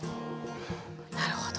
なるほど。